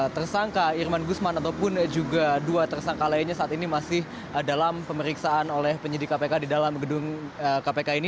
tersangka irman gusman ataupun juga dua tersangka lainnya saat ini masih dalam pemeriksaan oleh penyidik kpk di dalam gedung kpk ini